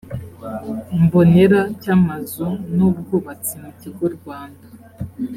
mbonera cy amazu n ubwubatsi mu kigo rwanda